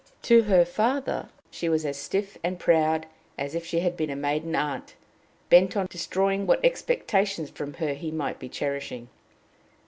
To her father she was as stiff and proud as if she had been a maiden aunt, bent on destroying what expectations from her he might be cherishing.